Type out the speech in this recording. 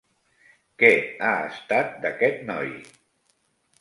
Què ha estat d'aquest noi?